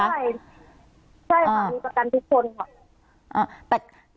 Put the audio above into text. ใช่ใช่ค่ะมีประกันทุกคนค่ะ